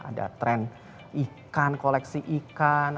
ada tren ikan koleksi ikan